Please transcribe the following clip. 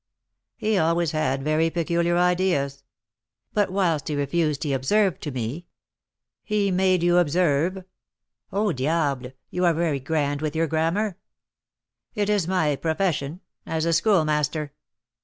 "He always had very peculiar ideas." "But whilst he refused he observed to me " "He made you observe " "Oh, diable! You are very grand with your grammar." "It is my profession, as a schoolmaster."